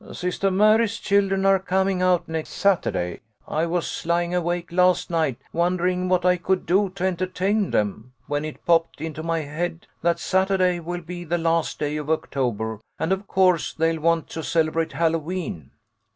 " Sister Mary's children are coming out next Sat 132 THE LITTLE COLONEL'S HOLIDAYS. urday. I was lying awake last night, wondering what I could do to entertain them, when it popped into my head that Saturday will be the last day of October, and of course they'll want to celebrate Hallowe'en."